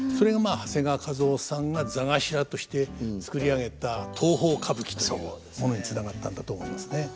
長谷川一夫さんが座頭として作り上げた東宝歌舞伎というものにつながったんだと思いますね。